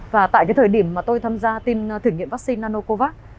và tại thời điểm mà tôi tham gia tiêm thử nghiệm vaccine nanocovax